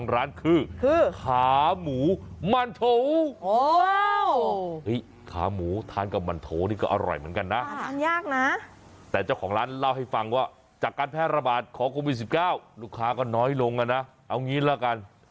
เรียบสิเกล้าลูกค้าก็น้อยลงอ่ะนะเอางี้แล้วกัน